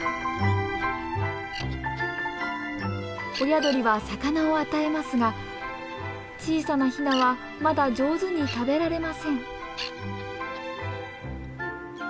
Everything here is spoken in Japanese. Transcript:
親鳥は魚を与えますが小さなヒナはまだ上手に食べられません。